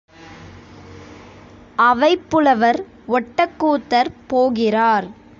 அவைப் புலவர் ஒட்டக்கூத்தர் போகிறார்.